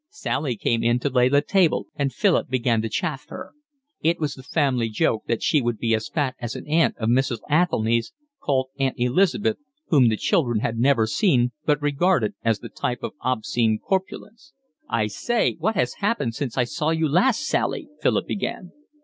Sally came in to lay the table, and Philip began to chaff her. It was the family joke that she would be as fat as an aunt of Mrs. Athelny, called Aunt Elizabeth, whom the children had never seen but regarded as the type of obscene corpulence. "I say, what HAS happened since I saw you last, Sally?" Philip began.